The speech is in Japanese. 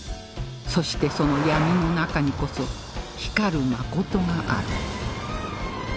そしてその闇の中にこそ光る真がある